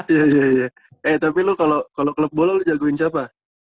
iya iya iya eh tapi lu kalau klub bola lu jagoin siapa